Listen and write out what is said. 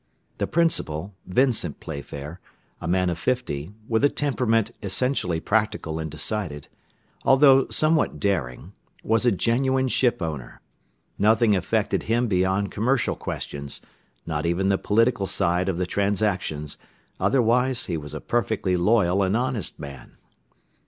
The principal, Vincent Playfair, a man of fifty, with a temperament essentially practical and decided, although somewhat daring, was a genuine shipowner. Nothing affected him beyond commercial questions, not even the political side of the transactions, otherwise he was a perfectly loyal and honest man.